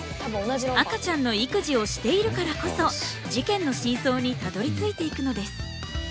赤ちゃんの育児をしているからこそ事件の真相にたどりついていくのです。